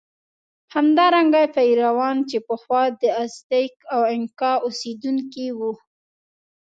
همدارنګه پیرویان چې پخوا د ازتېک او انکا اوسېدونکي وو.